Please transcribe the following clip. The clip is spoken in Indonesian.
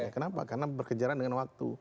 kenapa karena berkejaran dengan waktu